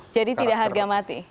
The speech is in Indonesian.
jadi tidak harga mati